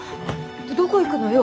てどこ行くのよ？